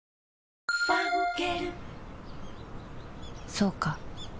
そうか